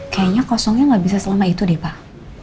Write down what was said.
kayaknya kosongnya nggak bisa selama itu deh pak